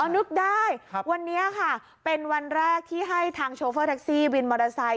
นึกได้วันนี้ค่ะเป็นวันแรกที่ให้ทางโชเฟอร์แท็กซี่วินมอเตอร์ไซค